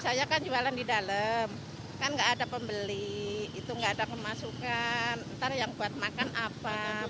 saya kan jualan di dalam kan nggak ada pembeli itu nggak ada kemasukan ntar yang buat makan apa